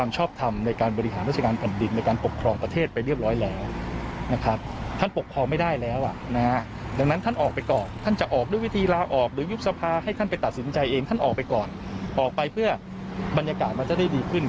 ใจเองท่านออกไปก่อนออกไปเพื่อบรรยากาศมันจะได้ดีขึ้น